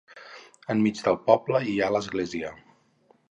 Enmig del poble hi ha l’església.